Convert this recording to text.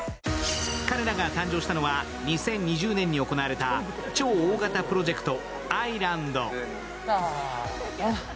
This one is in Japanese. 彼らが誕生したのは２０２０年に行われた超大型プロジェクト、Ｉ−ＬＡＮＤ。